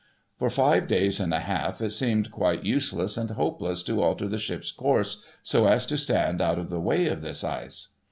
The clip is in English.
For five days and a half, it seemed quite useless and hopeless to alter the ship's course so as to stand out of the way of this ice.